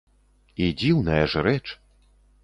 І дзіўная ж рэч.